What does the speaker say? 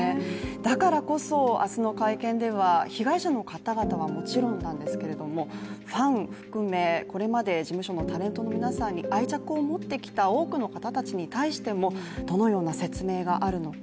だからこそ、明日あの会見では被害者の方々はもちろんなんですけれどもファン含め、これまで事務所のタレントの皆さんに愛着を持ってきた多くの方たちに対してもどのような説明があるのか。